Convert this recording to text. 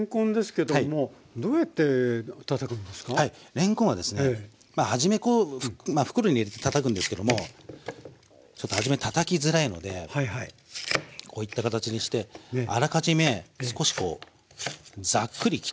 れんこんはですねまあ初めこう袋に入れてたたくんですけどもちょっと初めたたきづらいのでこういった形にしてあらかじめ少しこうザックリ切っときます。